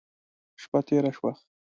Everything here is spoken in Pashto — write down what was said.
شپه تېره شوه.